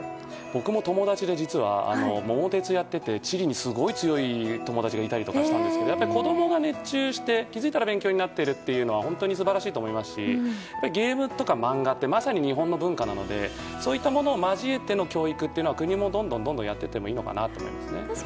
僕も友達で実は「桃鉄」やっていて地理にすごい強い友達がいたりしたんですけど子供が熱中して気づいたら勉強になっているのは本当に素晴らしいと思いますしゲームとか漫画ってまさに日本の文化なのでそういったものを交えての教育は国もどんどんやっていってもいいのかなと思います。